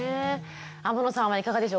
天野さんはいかがでしょうか？